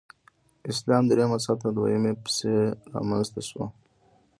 اسلام درېمه سطح دویمې پسې رامنځته شوه.